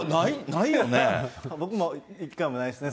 僕も一回もないですね。